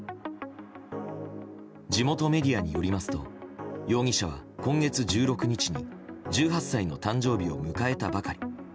地元メディアによりますと容疑者は今月１６日に１８歳の誕生日を迎えたばかり。